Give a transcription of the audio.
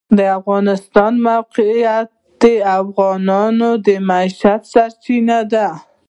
د افغانستان د موقعیت د افغانانو د معیشت سرچینه ده.